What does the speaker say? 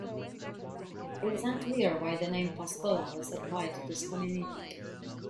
It is unclear why the name "Pascola" was applied to this community.